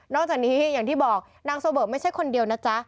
จากนี้อย่างที่บอกนางโซเบอร์ไม่ใช่คนเดียวนะจ๊ะ